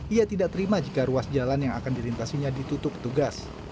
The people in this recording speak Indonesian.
ia tidak terima jika ruas jalan yang akan dilintasinya ditutup petugas